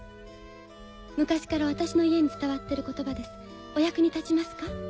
昔から私の家に伝わってる言葉ですお役に立ちますか？